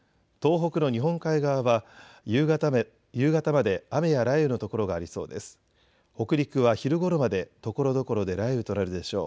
北陸は昼ごろまでところどころで雷雨となるでしょう。